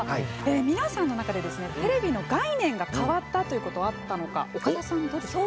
みなさんの中でテレビの概念が変わったということがあったのか岡田さん、どうですか？